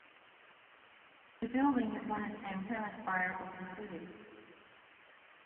The building is when its antenna spire is included.